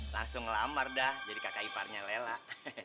langsung ngelamar dah jadi kakai parnya lelah